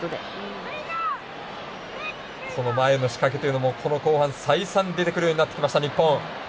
前の仕掛けというのも後半、再三出てくるようになりました日本。